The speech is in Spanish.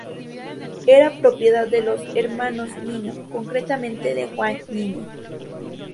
Era propiedad de los Hermanos Niño, concretamente de Juan Niño.